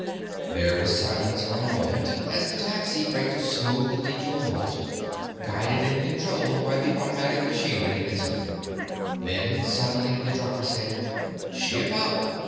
There was silence for a moment as the taxi braked smoothly to a halt, guided and controlled by the automatic machinery in the hood. Then, suddenly, the driver said: "Ship up!"